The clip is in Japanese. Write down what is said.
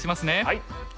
はい！